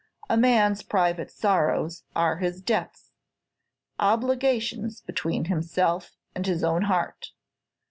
A man's private sorrows are his debts, obligations between himself and his own heart.